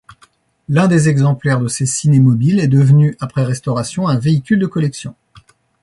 L'un des exemplaires de ces cinémobiles est devenu, après restauration, un véhicule de collection.